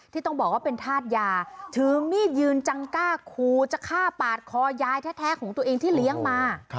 ที่ต้องบอกว่าเป็นธาตุยาถือมีดยืนจังกล้าคูจะฆ่าปาดคอยายแท้ของตัวเองที่เลี้ยงมา